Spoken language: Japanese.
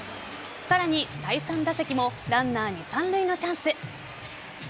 さらに第３打席もランナー二・三塁のチャンス。